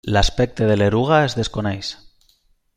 L'aspecte de l'eruga es desconeix.